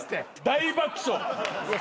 大爆笑。